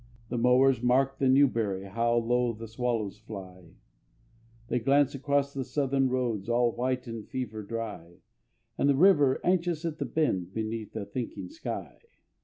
The mowers mark by Newbury How low the swallows fly, They glance across the southern roads All white and fever dry, And the river, anxious at the bend, Beneath a thinking sky.